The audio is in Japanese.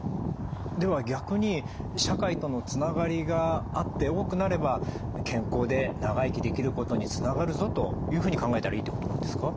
では逆に社会とのつながりがあって多くなれば健康で長生きできることにつながるぞというふうに考えたらいいってことなんですか？